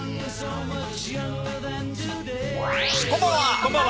こんばんは。